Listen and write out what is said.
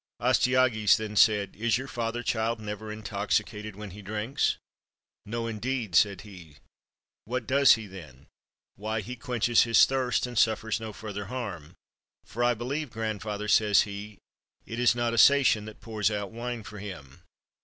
Astyages then said, — "Is your father, child, never intoxicated when he drinks?" "No, indeed," said he. "What does he, then?" "Why, he quenches his thirst, and suffers no further harm; for I believe, grandfather," says he, "it is not a Sacian that pours out wine for him."